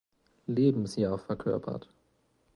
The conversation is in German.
Lebensjahr verkörpert.